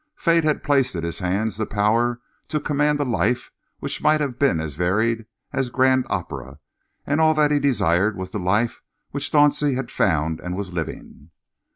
Fate had placed in his hands the power to command a life which might have been as varied as grand opera, and all that he desired was the life which Dauncey had found and was living.